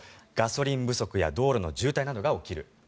ガソリン不足や道路の渋滞などが起きる。